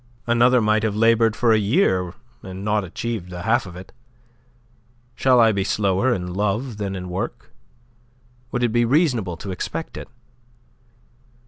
Another might have laboured for a year and not achieved the half of it. Shall I be slower in love than in work? Would it be reasonable to expect it?